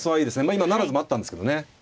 今不成もあったんですけどね。